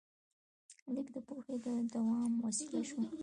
لیک د پوهې د دوام وسیله شوه.